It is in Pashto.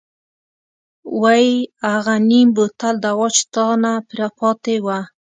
وۍ اغه نيم بوتل دوا چې تانه پاتې وه.